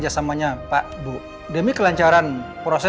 mama gak akan takut kok